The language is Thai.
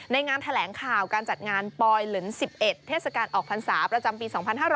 งานแถลงข่าวการจัดงานปลอยหลุน๑๑เทศกาลออกพรรษาประจำปี๒๕๕๙